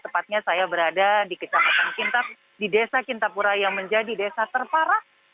tepatnya saya berada di kecamatan kintab di desa kintab pura yang menjadi desa terparah